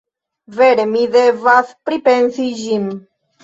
Vere, mi devas pripensi ĝin.